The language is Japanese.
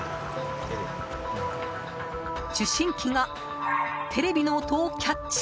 受信機がテレビの音をキャッチ。